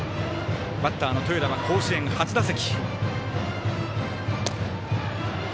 バッターの豊田は甲子園初打席。